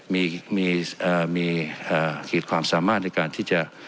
มีมีอ่ามีอ่าขีดความสามารถในการที่จะ